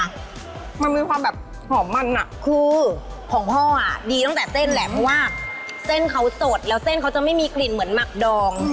มันมีความแบบหอมมันอ่ะคือของพ่ออ่ะดีตั้งแต่เส้นแหละเพราะว่าเส้นเขาสดแล้วเส้นเขาจะไม่มีกลิ่นเหมือนหมักดอง